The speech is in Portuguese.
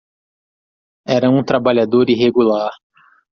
Era um trabalhador irregular